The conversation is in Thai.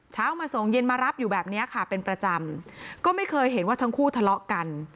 เช้ามาส่งเย็นมารับอยู่แบบเนี้ยค่ะเป็นประจำก็ไม่เคยเห็นว่าทั้งคู่ทะเลาะกัน